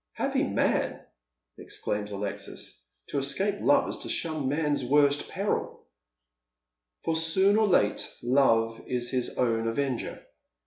" Happy man !" exclaims Alexis. " To escape love is to shun man's worst peiil ;—"' For soon or late Love is his own avenger.'